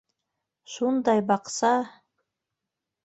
Шундай баҡса!